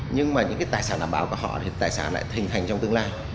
nhưng mà những cái tài sản đảm bảo của họ thì tài sản lại hình thành trong tương lai